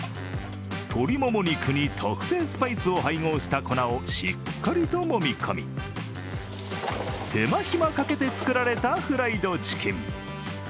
鶏もも肉に特製スパイスを配合した粉をしっかりとも見込み手間暇かけて作られたフライドチキン。